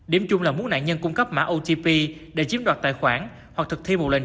điểm chung là mỗi nạn nhân cung cấp mã otp để chiếm đoạt tài khoản hoặc thực thi một lệnh